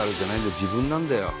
自分なんだよ。